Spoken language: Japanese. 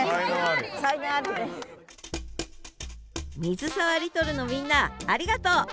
水沢リトルのみんなありがとう！